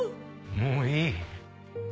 もういい。